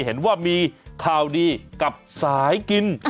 เห็นว่ามีข่าวดีกับสายกิน